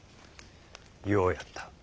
ようやった。